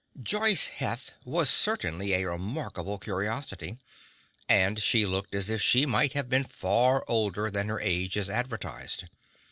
Joice Heth was certainly a remarkable curiosity, and she looked as if she might have been far older than her age as advertised.